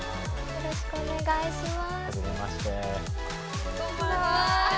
よろしくお願いします。